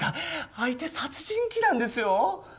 相手殺人鬼なんですよ